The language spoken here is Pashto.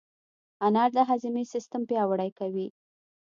انار د هاضمې سیستم پیاوړی کوي.